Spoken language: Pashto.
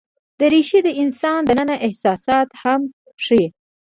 دریشي د انسان دننه احساسات هم ښيي.